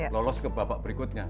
lolos ke babak berikutnya